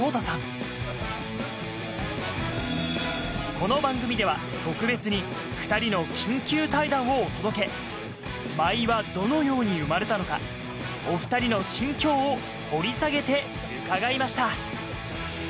この番組では特別に舞はどのように生まれたのかお２人の心境を掘り下げて伺いました